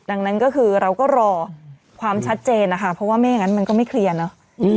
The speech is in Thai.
ดังนั้นก็คือเราก็รอความชัดเจนนะคะเพราะว่าไม่อย่างนั้นมันก็ไม่เคลียร์เนาะ